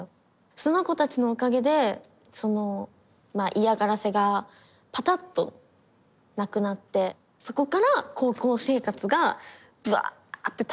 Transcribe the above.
その子たちのおかげでその嫌がらせがパタッとなくなってそこから高校生活がブワーッて楽しくなった。